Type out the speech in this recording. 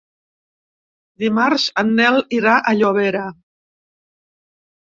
Dimarts en Nel irà a Llobera.